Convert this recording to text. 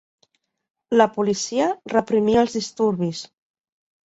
La policia reprimí els disturbis.